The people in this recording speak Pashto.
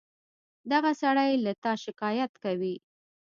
دغه سړى له تا شکايت کوي.